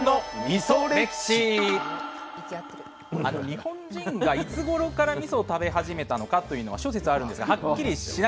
日本人がいつごろからみそを食べ始めたのかというのは諸説あるんですがはっきりしないんですよ。